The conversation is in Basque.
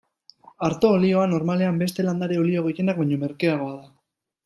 Arto olioa, normalean, beste landare-olio gehienak baino merkeagoa da.